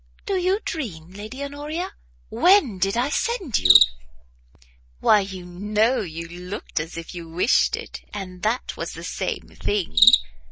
"Do you dream, Lady Honoria? when did I send you?" "Why you know you looked as if you wished it, and that was the same thing.